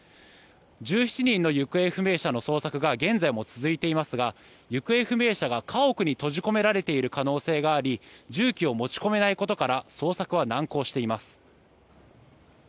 １７人の行方不明者の捜索が現在も続いていますが行方不明者が家屋に閉じ込められている可能性があり重機を持ち込めないことから捜索は難航しています。